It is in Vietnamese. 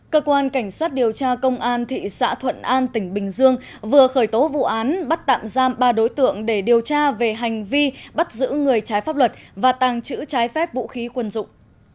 cơ quan cảnh sát điều tra công an thị xã thuận an tỉnh bình dương vừa khởi tố vụ án bắt tạm giam ba đối tượng để điều tra về hành vi bắt giữ người trái pháp luật và tàng trữ trái phép vũ khí quân dụng